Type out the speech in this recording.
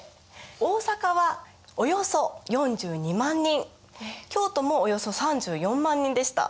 大坂はおよそ４２万人京都もおよそ３４万人でした。